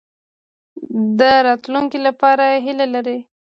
د راتلونکي لپاره هیله لرئ؟